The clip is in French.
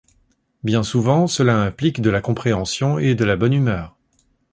Bien souvent, cela implique de la compréhension et de la bonne humeur.